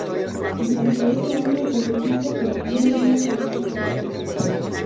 Durante ese año, el equipo cumplió una campaña destacada.